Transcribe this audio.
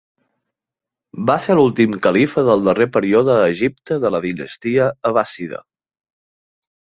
Va ser l'últim califa del darrer període a Egipte de la dinastia Abbàssida.